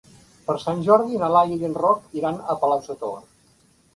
Per Sant Jordi na Laia i en Roc iran a Palau-sator.